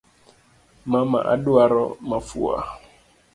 Mama, aduaro mafua